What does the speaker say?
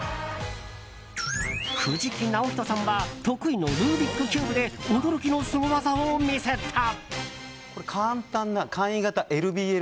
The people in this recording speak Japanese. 藤木直人さんは得意のルービックキューブで驚きのスゴ技を見せた。